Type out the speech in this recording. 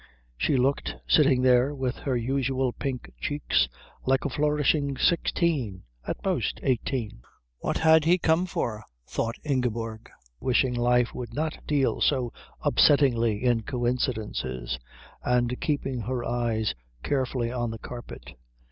She looked, sitting there with her unusual pink cheeks, like a flourishing sixteen at most eighteen. What had he come for? thought Ingeborg, wishing life would not deal so upsettingly in coincidences, and keeping her eyes carefully on the carpet.